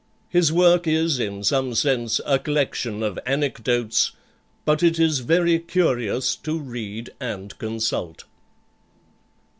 His work is, in some sense, a collection of anecdotes, but it is very curious to read and consult."